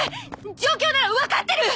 状況なら分かってる！